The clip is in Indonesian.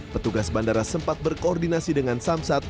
petugas bandara sempat berkoordinasi dengan samsat